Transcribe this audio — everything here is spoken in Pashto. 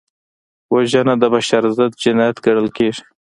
وژنه د بشر ضد جنایت ګڼل کېږي